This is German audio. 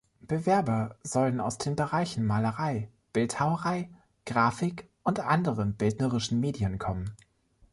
Bewerber sollen aus den Bereichen Malerei, Bildhauerei, Grafik und anderen bildnerischen Medien kommen.